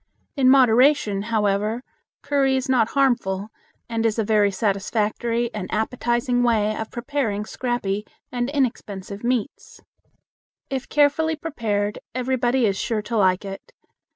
In moderation, however, curry is not harmful, and is a very satisfactory and appetizing way of preparing scrappy and inexpensive meats. If carefully prepared, everybody is sure to like it.